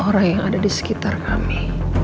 orang yang ada di sekitar kami